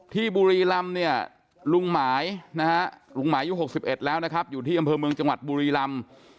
บุรีลำเนี่ยลุงหมายนะฮะลุงหมายอายุ๖๑แล้วนะครับอยู่ที่อำเภอเมืองจังหวัดบุรีลำ